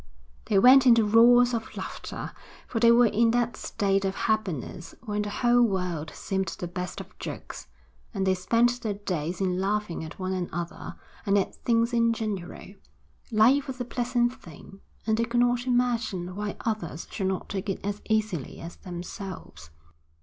They went into roars of laughter, for they were in that state of happiness when the whole world seemed the best of jokes, and they spent their days in laughing at one another and at things in general. Life was a pleasant thing, and they could not imagine why others should not take it as easily as themselves.